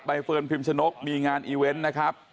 เฟิร์นพิมชนกมีงานอีเวนต์นะครับ